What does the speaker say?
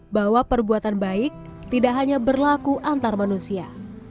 bahwa perbuatan baik tidak hanya berlaku antar manusia